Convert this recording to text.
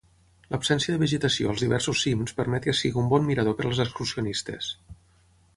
L'absència de vegetació als diversos cims permet que sigui un bon mirador per als excursionistes.